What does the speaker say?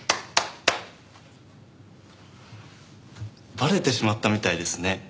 バレてしまったみたいですね。